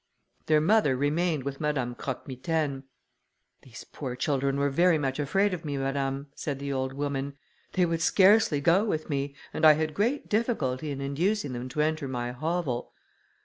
Their mother remained with Madame Croque Mitaine. "These poor children were very much afraid of me, madame," said the old woman. "They would scarcely go with me, and I had great difficulty in inducing them to enter my hovel."